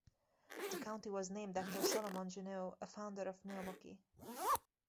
The county was named after Solomon Juneau, a founder of Milwaukee.